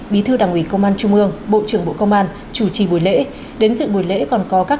bí thư đảng ủy công an trung ương bộ trưởng bộ công an chủ trì buổi lễ đến dựng buổi lễ còn có các